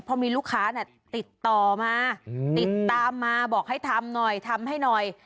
เพราะมีลูกค้าติดต่อมาติดตามมาบอกให้ทำหน่อยทำให้หน่อย